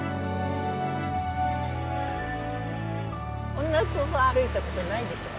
こんなとこ歩いたことないでしょう？